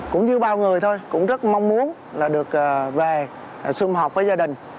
cũng như bao người thôi cũng rất mong muốn là được về xung họp với gia đình